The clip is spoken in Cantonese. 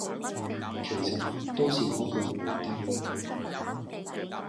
其實都是我一個人回的